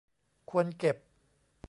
ควรเก็บ